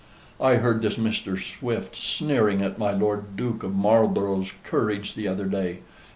I heard this Mr. Swift sneering at my Lord Duke of Marlborough's courage the other day.